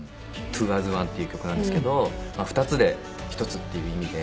『ＴｗｏａｓＯｎｅ』っていう曲なんですけど「２つで１つ」っていう意味で。